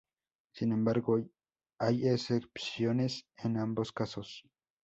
Sin embargo hay excepciones en ambos casos.